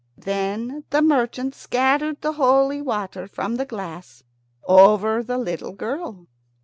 Then the merchant scattered the holy water from the glass over the little girl.